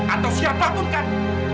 atau siapapun kan